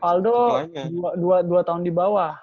aldo dua tahun di bawah